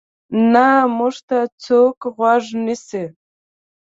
نه موږ ته څوک غوږ نیسي.